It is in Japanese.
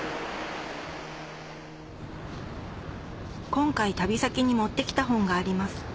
今回旅先に持ってきた本があります